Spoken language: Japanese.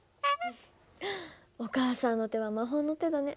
お母さんの手は魔法の手だね。